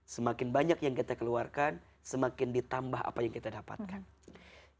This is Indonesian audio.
semakin banyak yang kita keluarkan semakin ditambah apa yang kita dapatkan